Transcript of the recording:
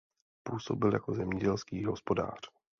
Působil jako zemědělský hospodář.